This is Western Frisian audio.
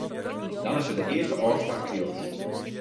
Dan is it de earste ôfslach rjochts.